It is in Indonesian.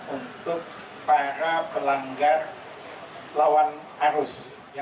untuk para pelanggar lawan arus